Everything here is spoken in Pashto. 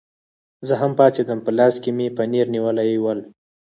زه هم پاڅېدم، په لاس کې مې پنیر نیولي ول.